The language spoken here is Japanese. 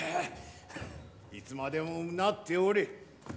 いつまでも唸っておれ。